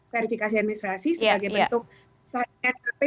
verifikasi administrasi sebagai bentuk